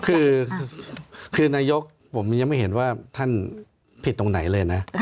คือนายกผมยังไม่เห็นว่าท่านผิดตรงไหนเลยนะ